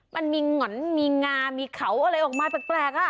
มันมีหง่อนมีงามีเขาอะไรออกมาแปลก